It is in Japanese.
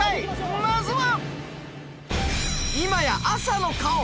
まずは。